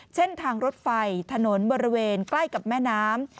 เช่นทางรถไฟถนนบริเวณใกล้กับแม่น้ำ